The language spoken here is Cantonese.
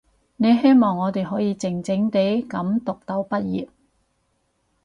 你希望我哋可以靜靜地噉讀到畢業